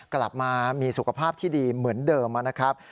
กลับมามีสุขภาพที่ดีเหมือนเดิมนะครับ